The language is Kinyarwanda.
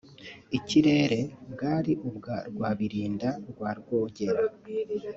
”Ikirere “bwari ubwa Rwabilinda rwa Rwogera